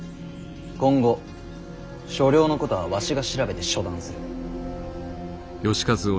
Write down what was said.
今後所領のことはわしが調べて処断する。